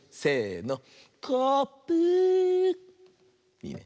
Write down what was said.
いいね。